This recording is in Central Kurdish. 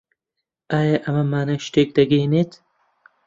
ئایا ئەمە مانای شتێک دەگەیەنێت؟